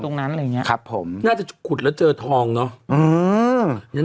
ค่ะนะครับผมส่งให้คุดแล้วเจอทองเนาะ